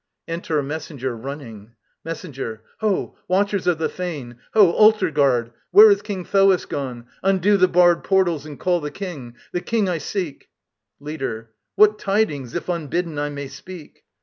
[enter a MESSENGER, running.] MESSENGER. Ho, watchers of the fane! Ho, altar guard, Where is King Thoas gone? Undo the barred Portals, and call the King! The King I seek. LEADER. What tidings if unbidden I may speak?